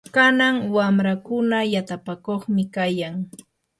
kanan wamrakuna yatapakuqmi kayan.